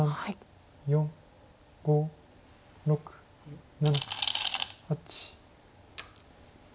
４５６７８。